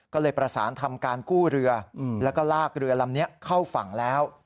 ก็เลยประสานทำการกู้เรือแล้วก็ลากเรือลำนี้เข้าฝั่งแล้ว